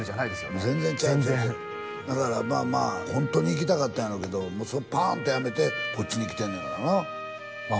全然全然ちゃうちゃうだからまあまあホントに行きたかったんやろうけどパーンとやめてこっちに来てんのやからなまあ